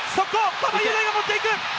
馬場雄大が持っていく！